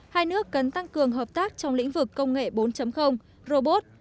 hai nước cần tăng cường hợp tác trong lĩnh vực công nghệ bốn robot